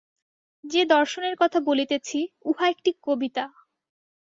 যে দর্শনের কথা বলিতেছি, উহা একটি কবিতা।